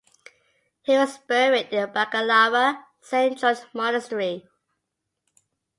He was buried in the Balaklava Saint George Monastery.